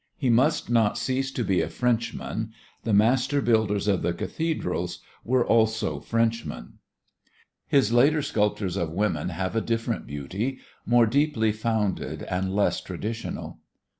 He must not cease to be a Frenchman; the master builders of the cathedrals were also Frenchmen. His later sculptures of women have a different beauty, more deeply founded and less traditional.